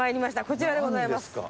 こちらでございます。